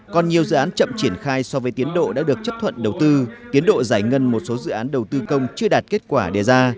còn nhiều dự án chậm triển khai so với tiến độ đã được chấp thuận đầu tư tiến độ giải ngân một số dự án đầu tư công chưa đạt kết quả đề ra